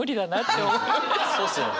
そうっすよね。